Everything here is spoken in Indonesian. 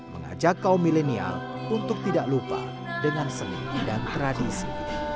mengajak kaum milenial untuk tidak lupa dengan seni dan tradisi